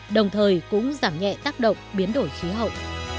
đồng thời cũng giảm nhẹ tác động biến đổi khí hậu